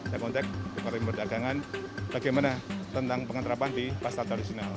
saya kontak pemerintah dagangan bagaimana tentang pengetarapan di pasar tradisional